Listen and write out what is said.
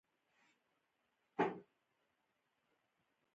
ده بیا سر ځوړند کړ، ته به یې هم څښتن شې.